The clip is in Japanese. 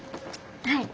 はい。